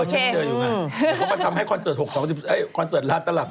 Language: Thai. เดี๋ยวเขาไปทำให้คอนเสิร์ตลาดตลาด